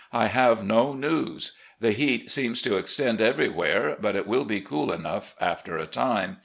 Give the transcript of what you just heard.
I have no news. The heat seems to extend every where, but it will be cool enough after a time.